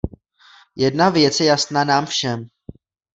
Jedna věc je jasná nám všem.